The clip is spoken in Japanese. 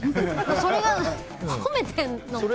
それは、褒めているのか。